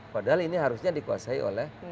padahal ini harusnya dikuasai oleh